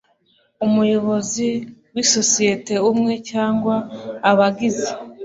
umuyobozi w isosiyete umwe cyangwa abagize